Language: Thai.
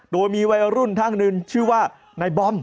โดยมีวัยรุ่นท่านหนึ่งชื่อว่านายบอม